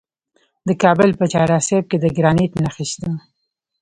د کابل په چهار اسیاب کې د ګرانیټ نښې شته.